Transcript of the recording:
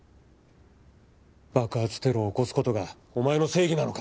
爆発テロを起こすことがお前の正義なのか？